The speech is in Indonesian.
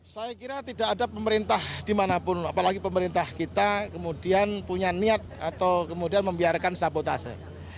saya kira tidak ada pemerintah dimanapun apalagi pemerintah kita kemudian punya niat atau kemudian membiarkan sabotase